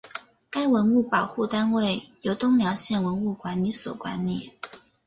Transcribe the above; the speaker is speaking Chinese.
该文物保护单位由东辽县文物管理所管理。